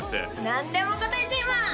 何でも答えちゃいます！